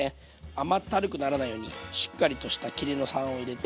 甘ったるくならないようにしっかりとしたキレの酸を入れて。